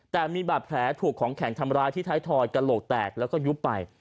แต่มีบาดแผลถูกของแข็งทำร้ายที่ท้ายทอยกระโหลกแตกแล้วก็ยุบไป